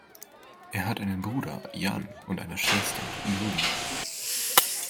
Er hat einen Bruder, Jan und eine Schwester, Julia.